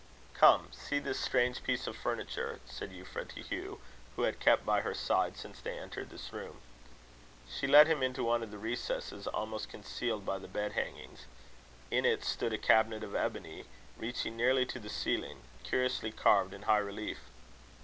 "Come and see this strange piece of furniture," said Euphra to Hugh, who had kept by her side since they entered this room. She led him into one of the recesses, almost concealed by the bed hangings. In it stood a cabinet of ebony, reaching nearly to the ceiling, curiously carved in high relief.